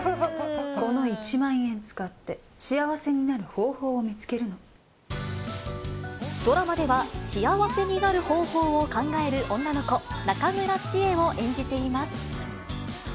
この１万円使って、幸せになドラマでは、幸せになる方法を考える女の子、中村知恵を演じています。